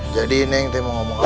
jadi neng tuh mau ngomong apa